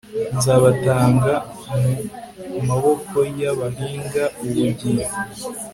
nzabatanga mu maboko y abahiga ubugingo